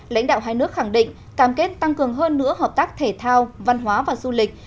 lãnh đạo hai nước khẳng định cam kết tăng cường hơn nữa hợp tác thể thao văn hóa và du lịch